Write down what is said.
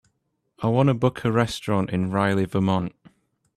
I want to book a restaurant in Reily Vermont.